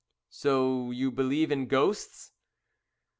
"So you believe in ghosts?"